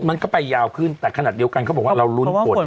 มันก็ไปยาวขึ้นแต่ขนาดเดียวกันเขาบอกว่าเรารุ้นผล